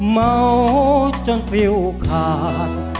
เมาจนฟิ้วขาด